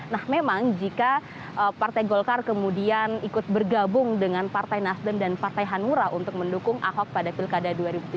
nah memang jika partai golkar kemudian ikut bergabung dengan partai nasdem dan partai hanura untuk mendukung ahok pada pilkada dua ribu tujuh belas